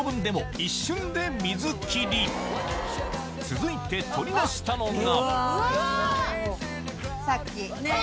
続いて取り出したのがうわ！